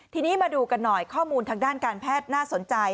ทีนี้มาดูกันหน่อยข้อมูลทางด้านการแพทย์น่าสนใจ